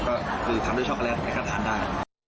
ก็คือทำด้วยช็อกโกแลตแม่ก็ทานได้